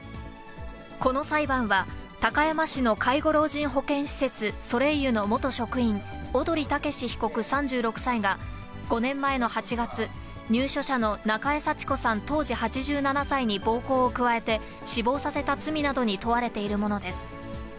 この裁判は、高山市の介護老人保健施設、それいゆの元職員、小鳥剛被告３６歳が、５年前の８月、入所者の中江幸子さん当時８７歳に暴行を加えて、死亡させた罪などに問われているものです。